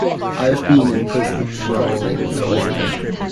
I have been in prison for threatening the solicitor.